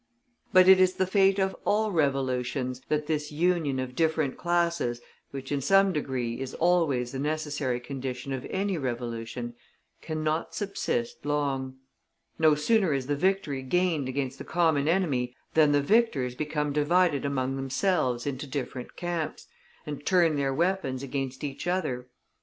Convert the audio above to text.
But it is the fate of all revolutions that this union of different classes, which in some degree is always the necessary condition of any revolution, cannot subsist long. No sooner is the victory gained against the common enemy than the victors become divided among themselves into different camps, and turn their weapons against each other.